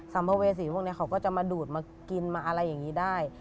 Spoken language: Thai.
ภเวษีพวกนี้เขาก็จะมาดูดมากินมาอะไรอย่างนี้ได้